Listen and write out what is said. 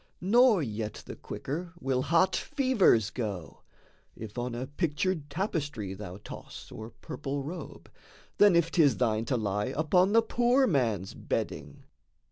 Nor yet the quicker will hot fevers go, If on a pictured tapestry thou toss, Or purple robe, than if 'tis thine to lie Upon the poor man's bedding.